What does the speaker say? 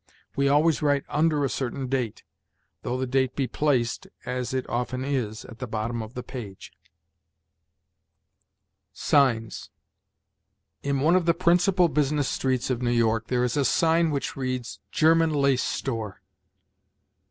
We always write under a certain date, though the date be placed, as it often is, at the bottom of the page. SIGNS. In one of the principal business streets of New York there is a sign which reads, "German Lace Store."